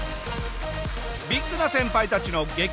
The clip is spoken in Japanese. ビッグな先輩たちの激